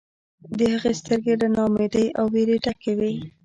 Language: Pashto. د هغې سترګې له نا امیدۍ او ویرې ډکې وې